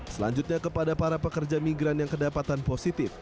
selanjutnya kepada para pekerja migran yang kedapatan positif